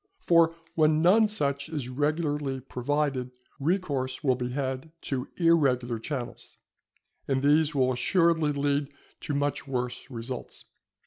For when none such is regularly provided, recourse will be had to irregular channels, and these will assuredly lead to much worse results.